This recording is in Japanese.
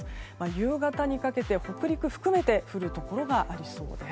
夕方にかけて北陸含めて降るところがありそうです。